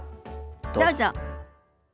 どうぞ。